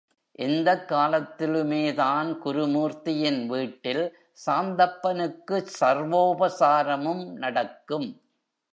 எந்தக் காலத்திலுமேதான் குருமூர்த்தியின் வீட்டில் சாந்தப்பனுக்குச் சர்வோபசாரமும் நடக்கும்.